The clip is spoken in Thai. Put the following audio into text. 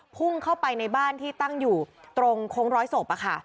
พุ่งเข้าไปในบ้านที่ตั้งอยู่ตรงโค้งร้อยศพ